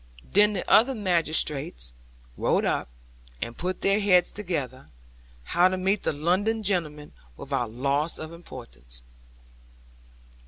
* Then the other magistrates rode up, and put their heads together, how to meet the London gentleman without loss of importance.